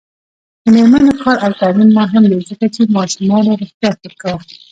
د میرمنو کار او تعلیم مهم دی ځکه چې ماشومانو روغتیا ښه کو.